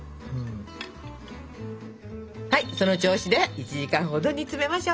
はいその調子で１時間ほど煮つめましょう。